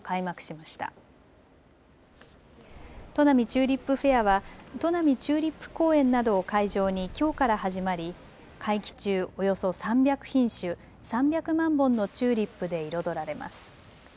チューリップフェアは、砺波チューリップ公園などを会場にきょうから始まり、会期中、およそ３００品種、３００万本のチューリップで彩られます。